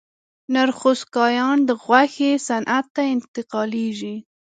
نر خوسکایان د غوښې صنعت ته انتقالېږي.